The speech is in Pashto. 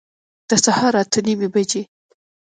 د سهار اته نیمي بجي